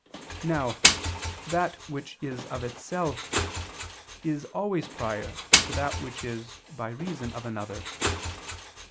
Now, that which is of itself is always prior to that which is by reason of another.